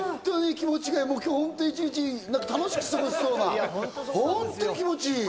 今日一日、楽しく過ごせそうな、本当に気持ちいい！